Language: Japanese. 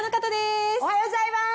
おはようございます。